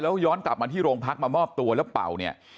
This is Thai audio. แล้วย้อนกลับมาที่โรงพักมามอบตัวแล้วเป่าเนี่ย